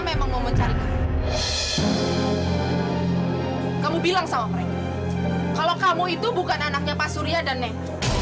memang mau mencari kamu bilang sama mereka kalau kamu itu bukan anaknya pak surya dan neng